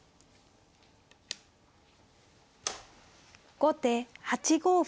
後手８五歩。